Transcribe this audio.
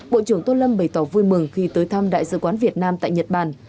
bộ trưởng tô lâm bày tỏ vui mừng khi tới thăm đại sứ quán việt nam tại nhật bản